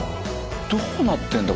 どうなってんだ？